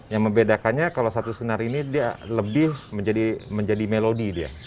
yang membedakannya kalau satu senar ini dia lebih menjadi melodi dia